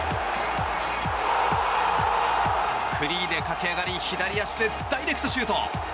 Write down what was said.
フリーで駆け上がり左足でダイレクトシュート。